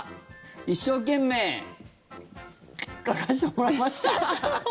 一生懸命描かせてもらいました。